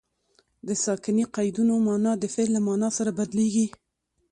د ساکني قیدونو مانا د فعل له مانا سره بدلیږي.